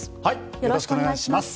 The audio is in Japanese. よろしくお願いします。